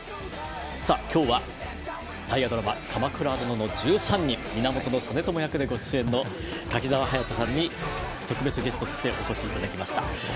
今日は大河ドラマ「鎌倉殿の１３人」源実朝役でご出演の柿澤勇人さんに特別ゲストとしてお越しいただきました。